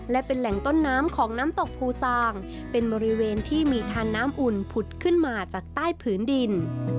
และเป็นแหล่งต้นน้ำของน้ำตกภูซางเป็นบริเวณที่มีทานน้ำอุ่นผุดขึ้นมาจากใต้ผืนดิน